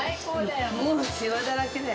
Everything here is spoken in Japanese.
もうしわだらけだよ。